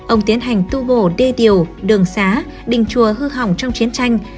ông tiến hành tu bổ đê điều đường xá đình chùa hư hỏng trong chiến tranh